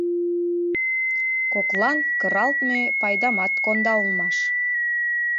Коклан кыралтме пайдамат конда улмаш.